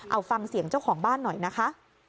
เอาฟังเสียงเจ้าของบ้านหน่อยนะคะ